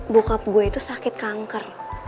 bokap gue itu sakit kanker